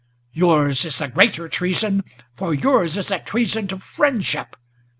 Yours is the greater treason, for yours is a treason to friendship!